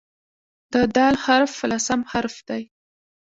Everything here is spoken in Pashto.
د "د" حرف لسم حرف دی.